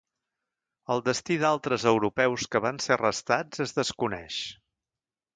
El destí d'altres europeus que van ser arrestats es desconeix.